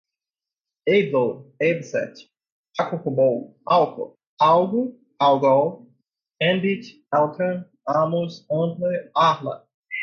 able, abset, acucobol, alcor, algo, algol, ambit, altran, amos, ample, arla